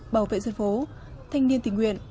bảo vệ dân phố thanh niên tình nguyện